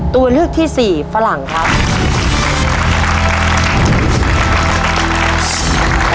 ตัวเลือกที่สี่ฝรั่งครับ